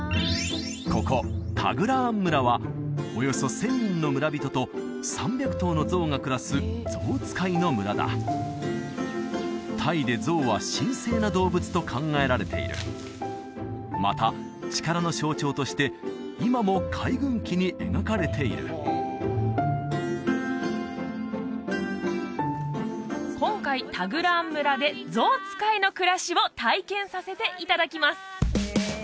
ここタグラーン村はおよそ１０００人の村人と３００頭のゾウが暮らすゾウ使いの村だタイでゾウは神聖な動物と考えられているまた力の象徴として今も海軍旗に描かれている今回タグラーン村でゾウ使いの暮らしを体験させていただきます